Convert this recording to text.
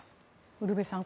ウルヴェさん